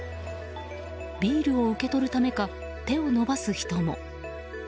ビールを受け取るためか手を伸ばす人も。